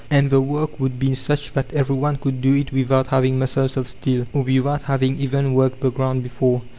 And the work would be such that everyone could do it without having muscles of steel, or without having even worked the ground before.